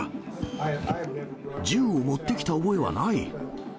銃を持ってきた覚えはない。